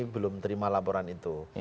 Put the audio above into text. belum terima laporan itu